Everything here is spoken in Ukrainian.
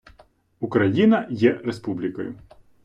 Україна є республікою.